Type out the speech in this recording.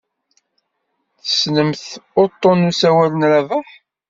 Tessnemt uḍḍun n usawal n Rabaḥ?